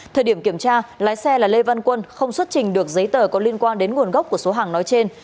thời điểm kiểm tra lái xe là lê văn quân không xuất trình được giấy tờ có liên quan đến nguồn gốc của số hàng nói trên